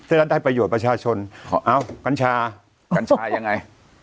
รัฐได้ประโยชน์ประชาชนเอ้ากัญชากัญชายังไง